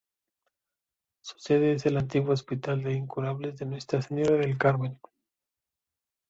Su sede es el antiguo Hospital de Incurables de Nuestra Señora del Carmen.